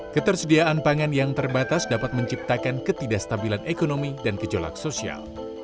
ketersediaan pangan yang terbatas dapat menciptakan ketidakstabilan ekonomi dan gejolak sosial